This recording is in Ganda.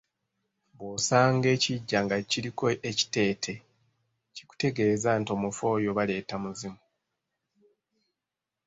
Bw’osanga ekiggya nga kiriko ekiteete kikutegeeza nti omufu oyo baleeta muzimu.